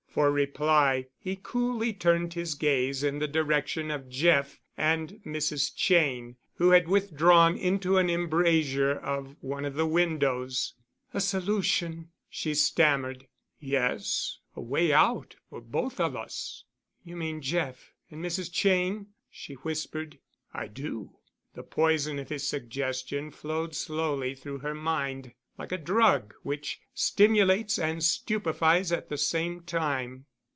For reply he coolly turned his gaze in the direction of Jeff and Mrs. Cheyne, who had withdrawn into an embrasure of one of the windows. "A solution——" she stammered. "Yes, a way out—for both of us." "You mean Jeff—and Mrs. Cheyne?" she whispered. "I do." The poison of his suggestion flowed slowly through her mind, like a drug which stimulates and stupefies at the same time.